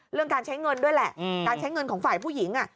เรื่องการใช้เงินด้วยแหละการใช้เงินของฝ่ายผู้หญิง